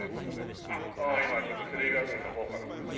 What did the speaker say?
今ちょっとテレビ朝日の方からもですね